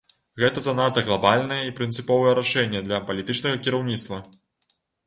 Гэта занадта глабальнае і прынцыповае рашэнне для палітычнага кіраўніцтва.